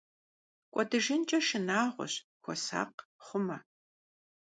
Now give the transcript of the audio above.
КӀуэдыжынкӀэ шынагъуэщ, хуэсакъ, хъумэ!